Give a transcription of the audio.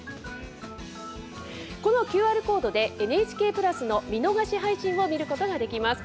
このＱＲコードでＮＨＫプラスの見逃し配信を見ることができます。